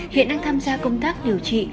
hiện đang tham gia công tác điều trị